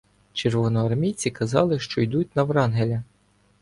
Червоноармійці казали, що йдуть на Врангеля.